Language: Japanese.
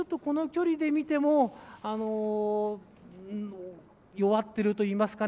この距離で見ても弱っているといいますかね